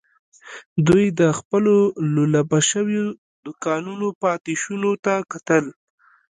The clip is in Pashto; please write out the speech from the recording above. دوی د خپلو لولپه شويو دوکانونو پاتې شونو ته کتل.